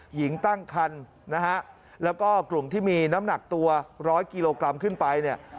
หญิงตั้งคันนะฮะแล้วก็กลุ่มที่มีน้ำหนักตัวร้อยกิโลกรัมขึ้นไปเนี่ย